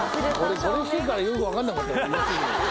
・俺これしてるからよく分かんなかったよ。